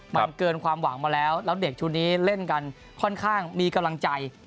มันเกินความหวังมาแล้วแล้วเด็กชุดนี้เล่นกันค่อนข้างมีกำลังใจ